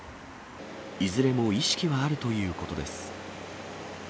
いずれも意識はあるということです。